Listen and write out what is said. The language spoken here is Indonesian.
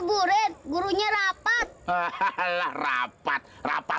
gue gurunya rapat increp elkrapat rapat